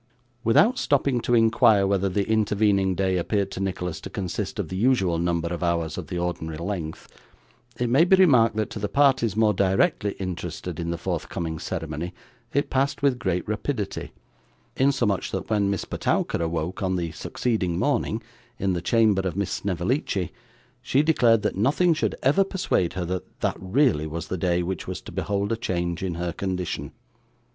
Without stopping to inquire whether the intervening day appeared to Nicholas to consist of the usual number of hours of the ordinary length, it may be remarked that, to the parties more directly interested in the forthcoming ceremony, it passed with great rapidity, insomuch that when Miss Petowker awoke on the succeeding morning in the chamber of Miss Snevellicci, she declared that nothing should ever persuade her that that really was the day which was to behold a change in her condition.